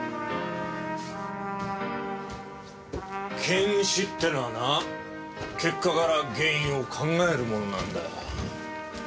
検視ってのはな結果から原因を考えるものなんだ。